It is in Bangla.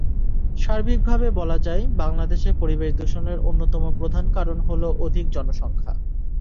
সার্বিকভাবে বলা যায়, বাংলাদেশে পরিবেশদূষণের অন্যতম প্রধান কারণ হলো অধিক জনসংখ্যা।